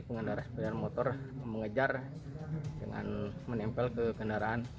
pengendara sepeda motor mengejar dengan menempel ke kendaraan